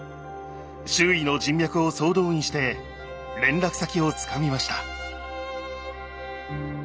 周囲の人脈を総動員して連絡先をつかみました。